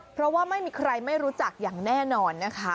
เพราะว่าไม่มีใครไม่รู้จักอย่างแน่นอนนะคะ